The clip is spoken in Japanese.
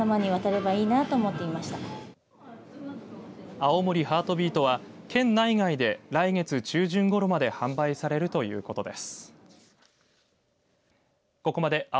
青森ハートビートは県内外で来月中旬ごろまで販売されるということです。